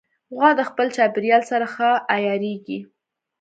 غوا د خپل چاپېریال سره ښه عیارېږي.